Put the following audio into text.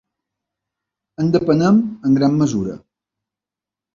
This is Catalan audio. En depenem en gran mesura.